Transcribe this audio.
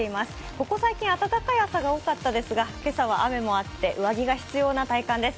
ここ最近、暖かい朝が多かったですが、今朝は雨もあって上着が必要な体感です。